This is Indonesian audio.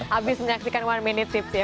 habis menyaksikan one minute tips ya